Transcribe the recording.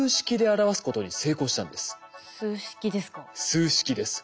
数式です。